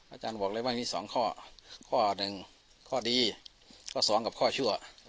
อาจารย์บอกเลยว่ามีสองข้อข้อหนึ่งข้อดีข้อสองกับข้อชั่ว